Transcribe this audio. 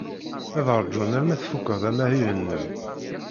Ad ṛjun arma tfuked amahil-nnem.